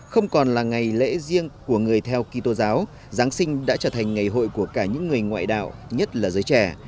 không còn là ngày lễ riêng của người theo kỳ tô giáo giáng sinh đã trở thành ngày hội của cả những người ngoại đạo nhất là giới trẻ